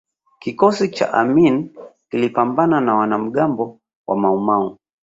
kikosi cha amini kilipambana na wanamgambo wa maumau